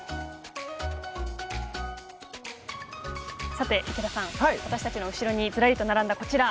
さて池田さん私たちの後ろにズラリと並んだこちら。